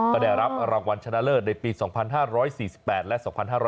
ก็ได้รับรางวัลชนะเลิศในปี๒๕๔๘และ๒๕๖๐